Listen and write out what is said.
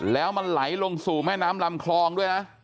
แล้วมันไหลลงสู่แม่น้ำลำคลองด้วยนะ